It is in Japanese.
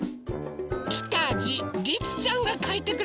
きたぢりつちゃんがかいてくれました。